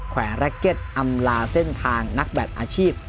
แขวนแร็กเก็ตอำลาเส้นทางนักแบตอาชีพ